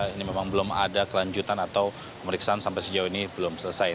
ini memang belum ada kelanjutan atau pemeriksaan sampai sejauh ini belum selesai